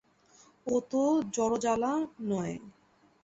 এ তো জ্বরজ্বালা নয়।